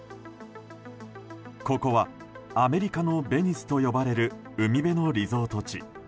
ここはアメリカのベニスと呼ばれる、海辺のリゾート地。